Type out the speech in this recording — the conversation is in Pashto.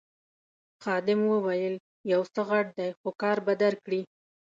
خادم وویل یو څه غټ دی خو کار به درکړي.